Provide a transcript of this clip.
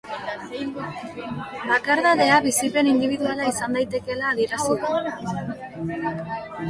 Bakardadea bizipen indibiduala izan daitekeela adierazi du.